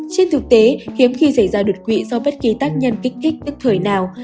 trên thực tế hiếm khi xảy ra đột quỵ do bất kỳ tác nhân kích thích tức thời nào